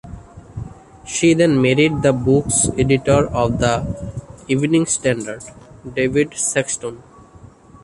She then married the books editor of the "Evening Standard", David Sexton.